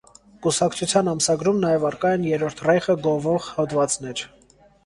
Կուսակցության ամսագրում նաև առկա են երրորդ ռեյխը գովող հոդվածներ։